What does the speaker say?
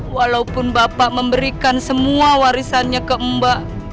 walaupun bapak memberikan semua warisannya ke mbak